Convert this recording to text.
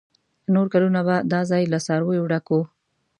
نور کلونه به دا ځای له څارویو ډک و.